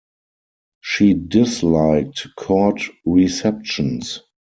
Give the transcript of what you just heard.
She disliked court receptions.